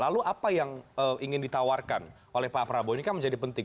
lalu apa yang ingin ditawarkan oleh pak prabowo ini kan menjadi penting